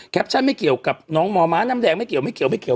ไม่เกี่ยวกับน้องม้าน้ำแดงไม่เกี่ยวไม่เกี่ยวไม่เกี่ยว